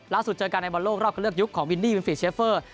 เจอกันในบอลโลกรอบคันเลือกยุคของวินดี้วินฟีดเชฟเฟอร์